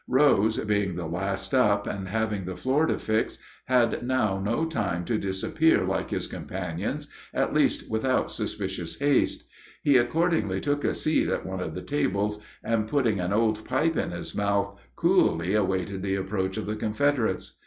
Rose, being the last up, and having the floor to fix, had now no time to disappear like his companions, at least without suspicious haste. He accordingly took a seat at one of the tables, and, putting an old pipe in his mouth, coolly awaited the approach of the Confederates.